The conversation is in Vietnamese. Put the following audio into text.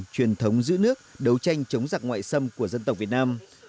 truyền thống giữ nước đấu tranh chống giặc ngoại xâm của dân tộc việt nam